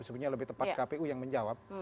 sebenarnya lebih tepat kpu yang menjawab